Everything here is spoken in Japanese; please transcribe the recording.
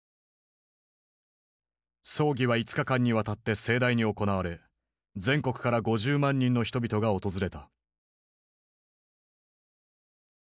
葬儀は５日間にわたって盛大に行われ全国から５０万人の人々が訪れた。